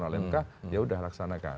oleh mk yaudah laksanakan